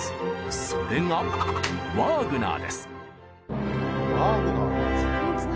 それがワーグナー。